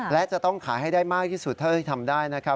และจะต้องขายให้ได้มากที่สุดเท่าที่ทำได้นะครับ